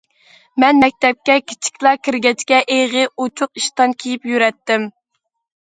مەن مەكتەپكە كىچىكلا كىرگەچكە، ئېغى ئوچۇق ئىشتان كىيىپ يۈرەتتىم.